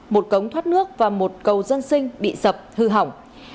một cống thoát nước và một cầu dân sinh bị sập hư hỏng